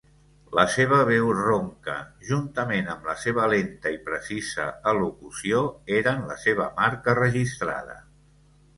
La seva veu ronca, juntament amb la seva lenta i precisa elocució, eren la seva marca registrada.